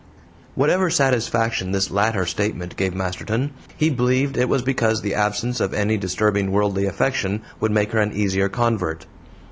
Whatever satisfaction this latter statement gave Masterton, he believed it was because the absence of any disturbing worldly affection would make her an easier convert.